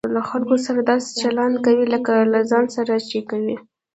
له خلکو سره داسي چلند کوئ؛ لکه له ځان سره چې کوى.